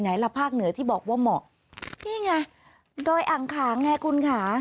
ละภาคเหนือที่บอกว่าเหมาะนี่ไงดอยอ่างขางไงคุณค่ะ